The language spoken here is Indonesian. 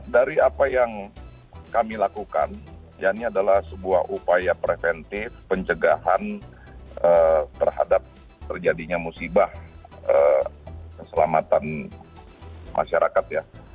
dari apa yang kami lakukan ya ini adalah sebuah upaya preventif pencegahan terhadap terjadinya musibah keselamatan masyarakat ya